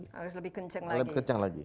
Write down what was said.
harus lebih kenceng lagi